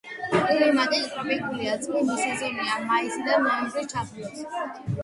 კლიმატი ტროპიკულია, წვიმის სეზონია მაისიდან ნოემბრის ჩათვლით.